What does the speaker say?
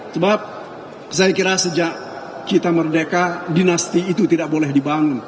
sebab saya kira sejak kita merdeka dinasti itu tidak boleh dibangun